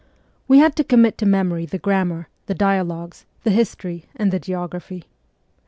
We had to commit to memory the grammar, the dialogues, the history, and the geography.